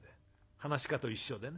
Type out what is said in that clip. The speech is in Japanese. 噺家と一緒でね